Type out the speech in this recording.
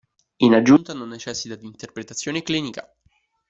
In aggiunta, non necessita di interpretazione clinica.